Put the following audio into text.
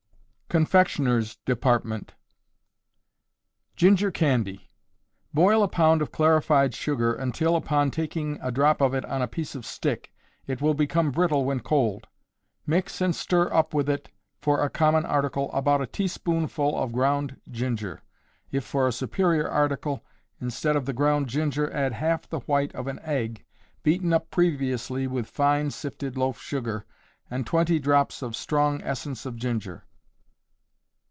CONFECTIONERS' DEPARTMENT. Ginger Candy. Boil a pound of clarified sugar until, upon taking a drop of it on a piece of stick, it will become brittle when cold. Mix and stir up with it, for a common article, about a teaspoonful of ground ginger; if for a superior article, instead of the ground ginger add half the white of an egg, beaten up previously with fine sifted loaf sugar, and twenty drops of strong essence of ginger.